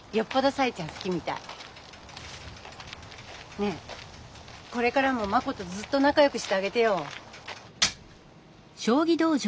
ねえこれからもマコとずっとなかよくしてあげてよ。